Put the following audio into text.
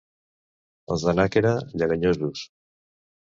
Els de Nàquera, lleganyosos.